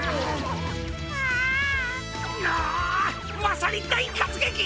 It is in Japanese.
まさにだいかつげき！